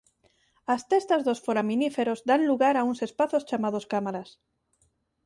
As testas dos foraminíferos dan lugar a uns espazos chamados cámaras.